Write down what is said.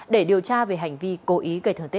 để điều tra về hành vi cố ý